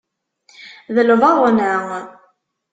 D lbaḍna.